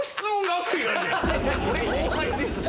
俺後輩ですし。